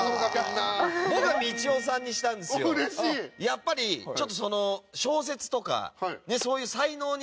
やっぱりちょっとその。